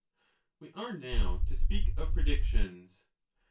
We are now to speak of predictions.